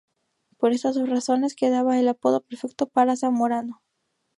Por estas dos razones, quedaba el apodo perfecto para Zamorano.